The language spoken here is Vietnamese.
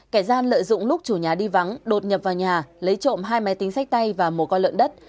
kẻ gian lợi dụng lúc chủ nhà đi vắng đột nhập vào nhà lấy trộm hai máy tính sách tay và một con lợn đất